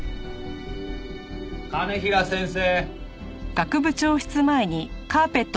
兼平先生！